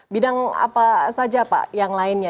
bidang apa saja pak yang lainnya